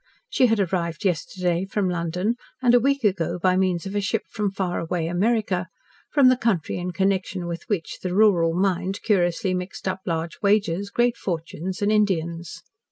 She had arrived yesterday from London, and a week ago by means of a ship from far away America, from the country in connection with which the rural mind curiously mixed up large wages, great fortunes and Indians.